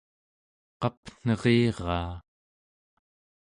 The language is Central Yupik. qapneriraa